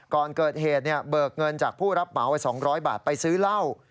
ก่อนเกิดเหตุเนี่ยเบิกเงินจากผู้รับเหมาไว้สองร้อยบาทไปซื้อเล่า